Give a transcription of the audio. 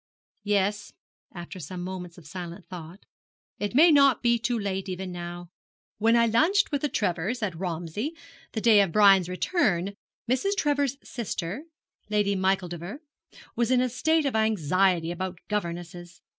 Yes,' after some moments of silent thought, 'it may not be too late even now. When I lunched with the Trevors, at Romsey, the day of Brian's return, Mrs. Trevor's sister, Lady Micheldever, was in a state of anxiety about governesses.